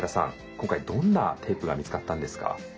今回どんなテープが見つかったんですか？